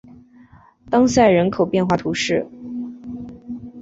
当塞人口变化图示